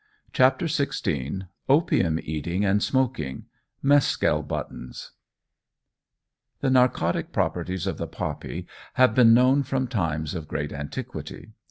CHAPTER XVI OPIUM EATING AND SMOKING MESCAL BUTTONS THE narcotic properties of the poppy have been known from times of great antiquity.